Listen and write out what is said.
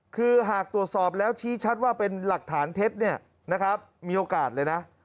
คือหากตรวจสอบแล้วชี้ชัดว่าเป็นหลักฐานเท็จเนี่ยนะครับมีโอกาสเลยนะ